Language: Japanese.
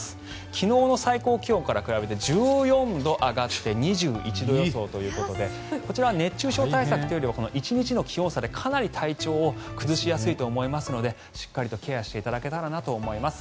昨日の最高気温から比べて１４度上がって２１度予想ということでこちらは熱中症対策というよりは１日の気温差でかなり体調を崩しやすいと思いますのでしっかりとケアしていただけたらなと思います。